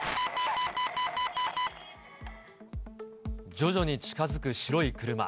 徐々に近づく白い車。